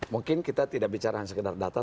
mungkin kita tidak bicara hanya sekedar data